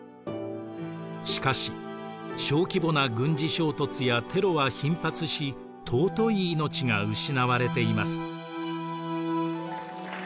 しかし小規模な軍事衝突やテロは頻発し尊い命が失われています。